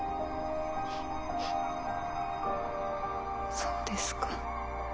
そうですか。